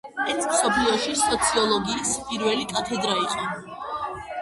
ეს მსოფლიოში სოციოლოგიის პირველი კათედრა იყო.